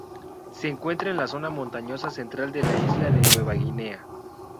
Se encuentra en la zona montañosa central de la isla de Nueva Guinea.